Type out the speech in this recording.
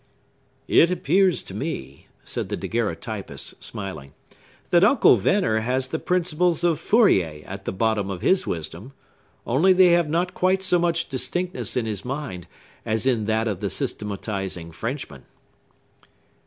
"It appears to me," said the daguerreotypist, smiling, "that Uncle Venner has the principles of Fourier at the bottom of his wisdom; only they have not quite so much distinctness in his mind as in that of the systematizing Frenchman."